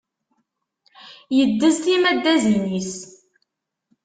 Iddez timaddazin-is.